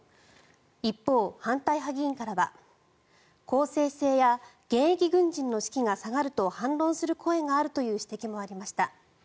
一方、反対派議員からは公正性や現役軍人の士気が下がると反論する声があるという指摘もありました。